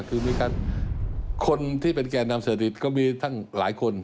คือมีการคนที่เป็นแก่นำเศรษฐกิจก็มีทั้งหลายคน